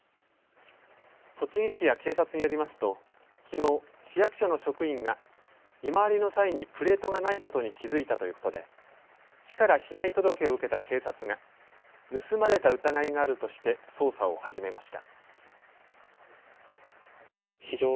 栃木市や警察によりますときのう、市役所の職員が見回りの際にプレートがないことに気付いたということで市から被害届を受けた警察が盗まれた疑いがあるとして捜査を始めました。